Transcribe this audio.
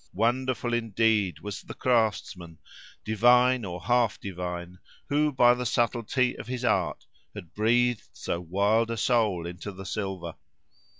Wonderful indeed was the craftsman, divine or half divine, who by the subtlety of his art had breathed so wild a soul into the silver!